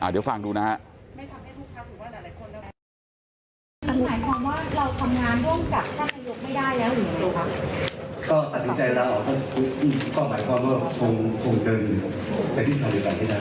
เดี๋ยวฟังดูนะครับ